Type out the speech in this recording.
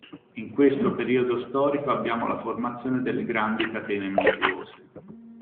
In questo periodo storico abbiamo la formazione delle grandi catene montuose.